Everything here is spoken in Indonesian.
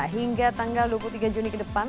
hingga tanggal dua puluh tiga juni ke depan